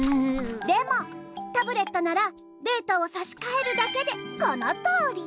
でもタブレットならデータをさしかえるだけでこのとおり！